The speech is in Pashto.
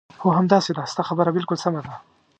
هو، همداسې ده، ستا خبره بالکل سمه ده.